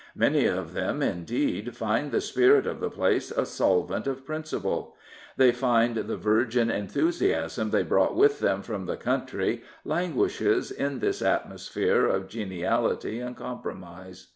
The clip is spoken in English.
Many of them, indeed, find the spirit of the place a solvent of principle. They find the virgin enthusiasm they brought with them from the country languishes in this atmosphere of geniality and compromise.